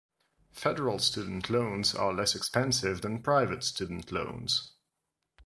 Federal student loans are less expensive than private student loans.